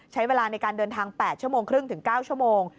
ใช้เวลาในการเดินทาง๘ชั่วโมงครึ่งถึง๙ชั่วโมง